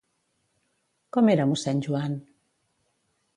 Com era mossèn Joan?